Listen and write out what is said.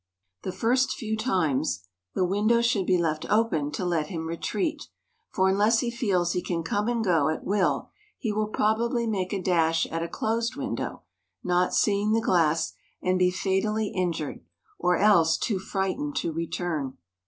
The first few times the window should be left open to let him retreat, for unless he feels he can come and go at will he will probably make a dash at a closed window, not seeing the glass, and be fatally injured, or else too frightened to return.